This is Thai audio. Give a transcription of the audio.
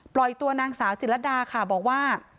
ตัวนางสาวจิตรดาค่ะบอกว่า